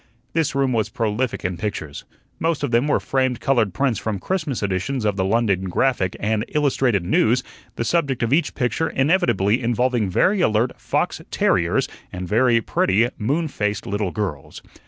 This room was prolific in pictures. Most of them were framed colored prints from Christmas editions of the London "Graphic" and "Illustrated News," the subject of each picture inevitably involving very alert fox terriers and very pretty moon faced little girls.